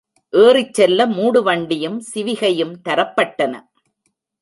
ஏறிச்செல்ல மூடு வண்டியும், சிவிகையும், தரப் பட்டன.